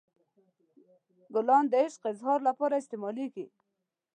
ګلان د عشق اظهار لپاره استعمالیږي.